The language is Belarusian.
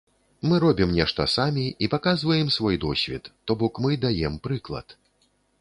Мы робім нешта самі і паказваем свой досвед, то бок мы даем прыклад.